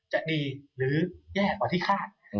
จะดีหรือแย่กว่าที่คาด